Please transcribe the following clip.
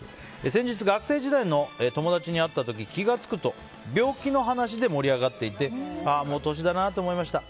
先日、学生時代の友達に会った時気が付くと病気の話で盛り上がっていてもう年だなと思いました。